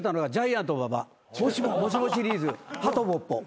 もしもシリーズ「はとぽっぽ」